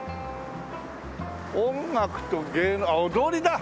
「音楽と芸能」あっ踊りだ！